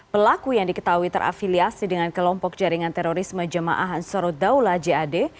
pelaku yang diketahui terafiliasi dengan kelompok jaringan terorisme jemaah ansaruddaula jad